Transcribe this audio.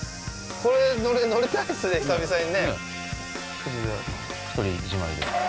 これ乗りたいですね、久々に。